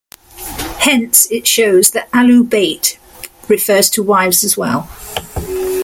Hence, it shows that Ahlul-bayt refers to wives as well.